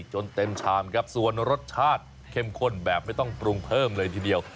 จนเต็มชามครับส่วนรสชาติเข้มข้นแบบไม่ต้องปรุงเพิ่มเลยทีเดียว